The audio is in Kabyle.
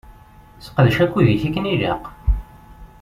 Seqdec akud-ik akken ilaq.